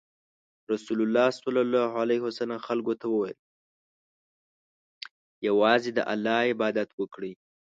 رسول الله خلکو ته وویل: یوازې د الله عبادت وکړئ.